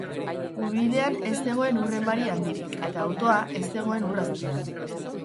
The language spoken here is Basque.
Ubidean ez zegoen ur emari handirik eta autoa ez zegoen ur azpian.